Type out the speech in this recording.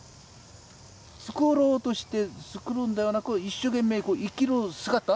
作ろうとして作るんではなく一生懸命生きる姿。